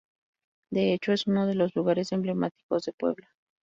De hecho es uno de los lugares emblemáticos de Puebla.